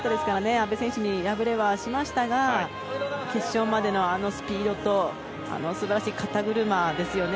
阿部選手に敗れはしましたが決勝までの、あのスピードとあの素晴らしい肩車ですよね。